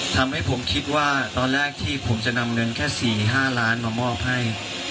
ทำให้ผมคิดว่าตอนแรกที่ผมจะนำเงินแค่๔๕ล้านมามอบให้